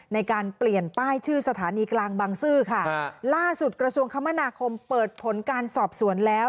ในการเปลี่ยนป้ายชื่อสถานีกลางบังซื้อค่ะล่าสุดกระทรวงคมนาคมเปิดผลการสอบสวนแล้ว